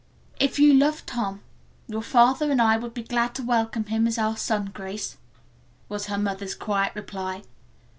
"If you loved Tom, your father and I would be glad to welcome him as our son, Grace," was her mother's quiet reply.